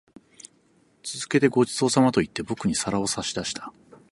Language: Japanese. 続けて、ご馳走様と言って、僕に皿を差し出した。